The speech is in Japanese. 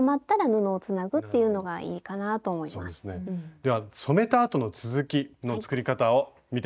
では染めたあとの続きの作り方を見てみましょう。